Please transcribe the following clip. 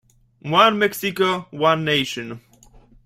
One Mexico, one nation.